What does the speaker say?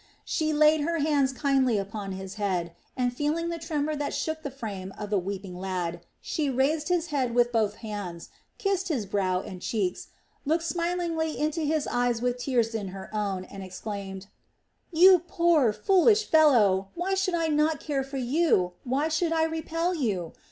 She laid her hands kindly upon his head, and feeling the tremor that shook the frame of the weeping lad, she raised his head with both hands, kissed his brow and cheeks, looked smilingly into his eyes with tears in her own, and exclaimed: "You poor, foolish fellow! Why should I not care for you, why should I repel you?